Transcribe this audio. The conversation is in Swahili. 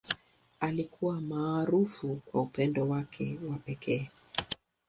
Alikuwa maarufu kwa upendo wake wa pekee.